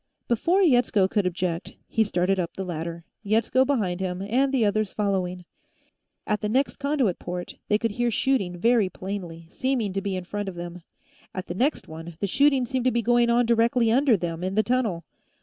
Before Yetsko could object, he started up the ladder, Yetsko behind him and the others following. At the next conduit port, they could hear shooting very plainly, seeming to be in front of them. At the next one, the shooting seemed to be going on directly under them, in the tunnel.